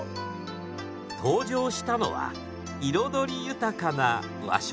登場したのは彩り豊かな和食御膳。